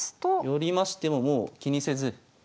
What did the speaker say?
寄りましてももう気にせず。